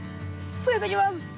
ついていきます！